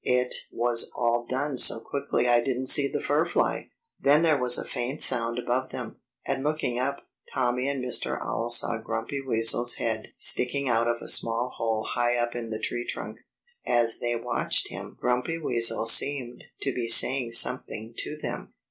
"It was all done so quickly I didn't see the fur fly!" Then there was a faint sound above them. And looking up, Tommy and Mr. Owl saw Grumpy Weasel's head sticking out of a small hole high up in the tree trunk. As they watched him Grumpy Weasel seemed to be saying something to them.